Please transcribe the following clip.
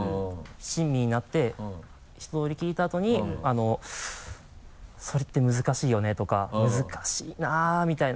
親身になって一通り聞いたあとに「それって難しいよね」とか「難しいな」みたいな。